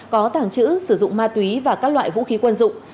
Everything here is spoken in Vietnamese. có tàng trữ sử dụng ma túy và các loại vũ khí quân dụng